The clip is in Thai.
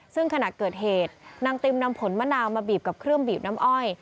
ซึ่งขณะเกิดเหตุนางติมนำผลมะนาวมาบีบกับเครื่องบีบน้ำอ้อย